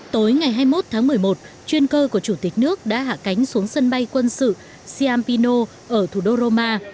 tối ngày hai mươi một tháng một mươi một chuyên cơ của chủ tịch nước đã hạ cánh xuống sân bay quân sự siampiono ở thủ đô roma